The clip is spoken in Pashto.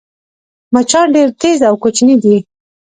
مچان ډېر تېز او کوچني دي